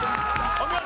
お見事！